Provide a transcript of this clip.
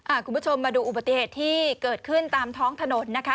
คุณผู้ชมมาดูอุบัติเหตุที่เกิดขึ้นตามท้องถนนนะคะ